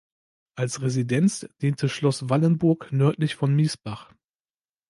Als Residenz diente Schloss Wallenburg nördlich von Miesbach.